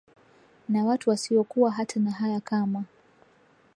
Na watu wasio kuwa hata na haya kama